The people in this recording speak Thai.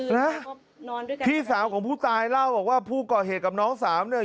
นี่คือนอนด้วยกันพี่สาวของผู้ตายเล่าว่าผู้ก่อเหตุกับน้องสามเนี้ย